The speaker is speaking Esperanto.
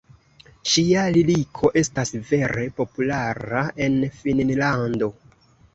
Ŝia liriko estas vere populara en Finnlando.